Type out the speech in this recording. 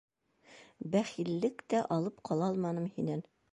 Бәхиллек тә алып ҡала алманым һинән...